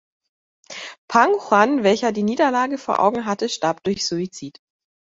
Pang Juan, welcher die Niederlage vor Augen hatte, starb durch Suizid.